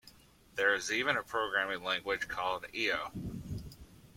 There is even a programming language called 'io'.